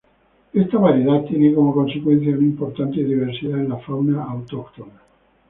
Esta variedad tiene como consecuencia una importante diversidad en la fauna autóctona.